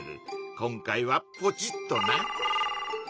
今回はポチッとな！